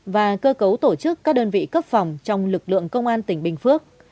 và cơ cấu tổ chức các đơn vị cấp phòng trong lực lượng công an tỉnh bình phước